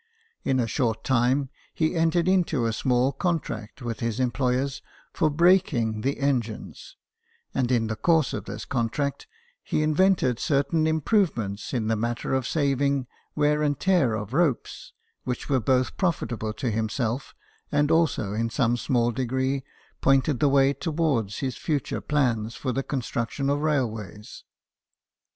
In a short time, he entered into a small con tract with his employers for " brakeing " the engines ; and in the course of this contract, he invented certain improvements in the matter of saving wear and tear of ropes, which were both profitable to himself and also in some small degree pointed the way toward his future plans for the construction of railways.